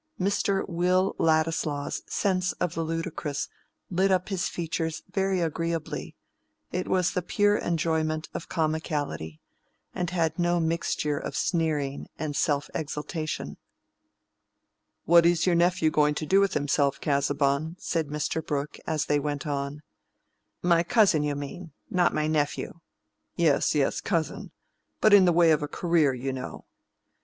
Mr. Will Ladislaw's sense of the ludicrous lit up his features very agreeably: it was the pure enjoyment of comicality, and had no mixture of sneering and self exaltation. "What is your nephew going to do with himself, Casaubon?" said Mr. Brooke, as they went on. "My cousin, you mean—not my nephew." "Yes, yes, cousin. But in the way of a career, you know."